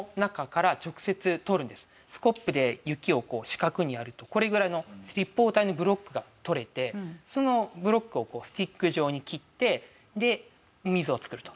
四角にやるとこれぐらいの立方体のブロックが取れてそのブロックをスティック状に切ってで水を作ると。